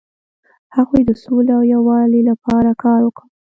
هغوی د سولې او یووالي لپاره کار کاوه.